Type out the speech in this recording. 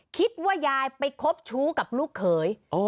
คิดว่ายายไปคบชู้กับลูกเขย